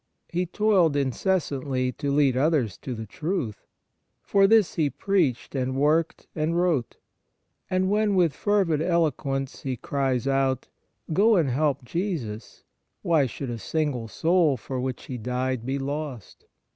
He toiled incessantly to lead others to the truth. ' For this he preached and w^orked and wrote. And when with fervid eloquence he cries out, ' Go and help Jesus : why should a single soul for which He died be lost